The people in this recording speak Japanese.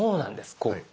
こう。